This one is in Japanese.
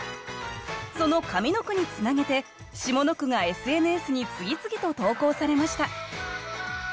その上の句につなげて下の句がＳＮＳに次々と投稿されました